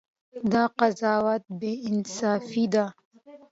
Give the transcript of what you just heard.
دا قضاوت بې انصافي ده.